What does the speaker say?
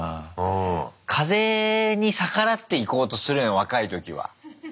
風に逆らっていこうとするよね若い時は。